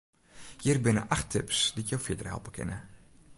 Hjir binne acht tips dy't jo fierder helpe kinne.